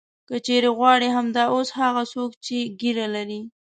که چېرې غواړې همدا اوس هغه څوک چې ږیره لري.